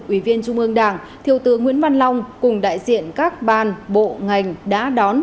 ủy viên trung ương đảng thiếu tướng nguyễn văn long cùng đại diện các ban bộ ngành đã đón